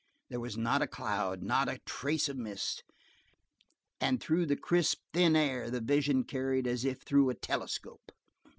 There was not a cloud, not a trace of mist, and through the crisp, thin air the vision carried as if through a telescope.